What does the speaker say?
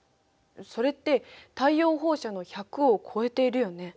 それって太陽放射の１００を超えているよね。